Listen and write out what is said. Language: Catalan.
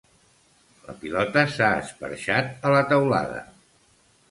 La pilota s'ha esperxat a la teulada